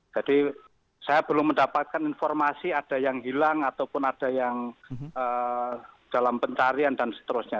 jadi saya belum mendapatkan informasi ada yang hilang ataupun ada yang dalam pencarian dan seterusnya